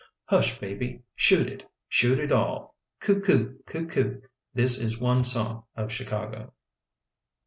" Hush baby! Shoot it, Shoot it all! Coo coo, coo coo "— This is one song of Chicago.